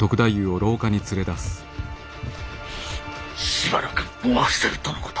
しばらく喪は伏せるとのこと。